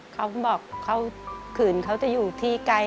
เขาบอกเขาขืนเขาจะอยู่ที่ไกล